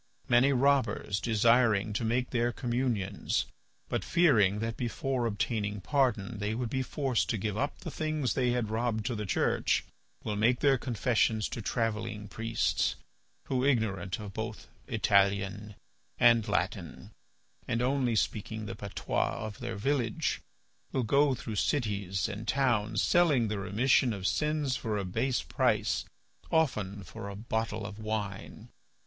Many robbers desiring to make their communions, but fearing that before obtaining pardon they would be forced to give up the things they had robbed to the Church, will make their confessions to travelling priests, who, ignorant of both Italian and Latin, and only speaking the patois of their village, will go through cities and towns selling the remission of sins for a base price, often for a bottle of wine.